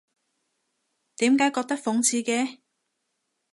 點解覺得諷刺嘅？